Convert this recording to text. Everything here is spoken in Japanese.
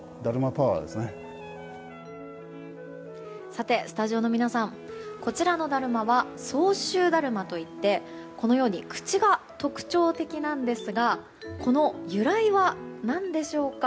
さて、スタジオの皆さんこちらのだるまは相州だるまといって口が特徴的なんですがこの由来は何でしょうか？